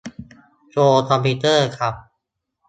โชว์คอมพิวเตอร์ครับ